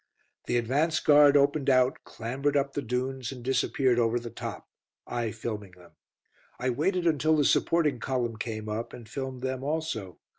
The advance guard opened out, clambered up the dunes, and disappeared over the top, I filming them. I waited until the supporting column came up, and filmed them also.